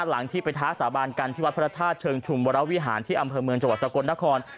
หลังที่ไปท้าสาบานกันที่วัดพระธาตุเชิงชุมวรวิหารที่อำเภอเมืองจังหวัดสกลนคร